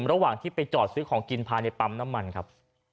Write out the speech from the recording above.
ระหว่างที่ไปจอดซื้อของกินภายในปั๊มน้ำมันครับ